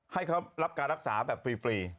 ให้เขารับการรักษาแบบฟรี